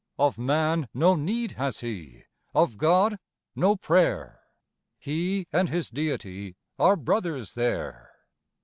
Of man no need has he, of God, no prayer; He and his Deity are brothers there.